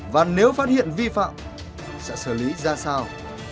và nếu phát hiện vi phạm sẽ xử lý ra sao